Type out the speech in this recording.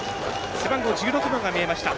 背番号１６番が見えました。